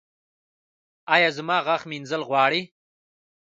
ایا زما غاښ مینځل غواړي؟